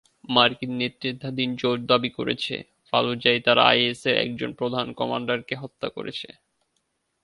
মার্কিন নেতৃত্বাধীন জোট দাবি করেছে, ফালুজায় তারা আইএসের একজন প্রধান কমান্ডারকে হত্যা করেছে।